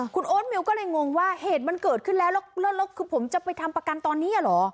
คุณโอ๊ตมิวก็เลยงงว่าเหตุมันเกิดขึ้นแล้วแล้วคือผมจะไปทำประกันตอนนี้เหรอ